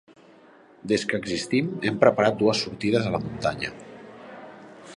Des que existim, hem preparat dues sortides a la muntanya.